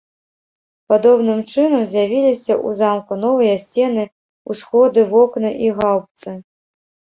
Падобным чынам з'явіліся ў замку новыя сцены, усходы, вокны і гаўбцы.